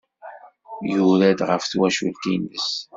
Yura-d ɣef twacult-nnes.